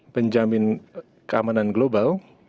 penjamin keamanan global